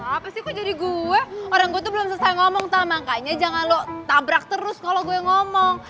apa sih kok jadi gue orang kutub belum selesai ngomong tah makanya jangan lo tabrak terus kalau gue ngomong